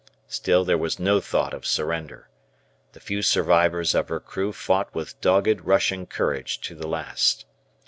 Still there was no thought of surrender. The few survivors of her crew fought with dogged Russian courage to the last.